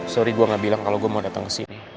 sorry gue gak bilang kalau gue mau datang kesini